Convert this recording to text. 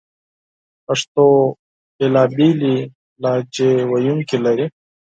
پښتو بېلابېل لهجې ویونکې لري